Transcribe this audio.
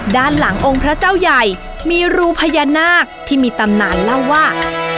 ด้านหลังองค์พระเจ้าใหญ่มีรูพญานาคที่มีตำนานเล่าว่า